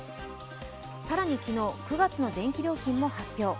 更に昨日、９月の電気料金も発表。